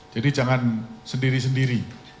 jadi jangan sendiri sendiri